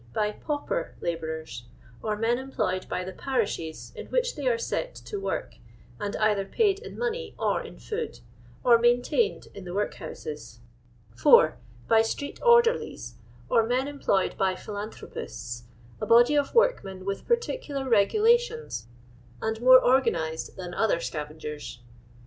liy pauper labourers, or men employed by the parishes in which they are set to work, and either paid in money or in food, or maintained in the woikhoiises. 4. By street orderlies, or men employed by philanthropists — a body of workmen with par ticular regulations and more orgsmized than other scavengers.